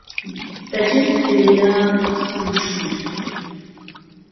بهجێ بێله ئهسپ و شير